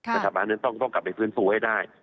ปัจจุบันนั้นต้องมาไปฟื้นฟูให้ได้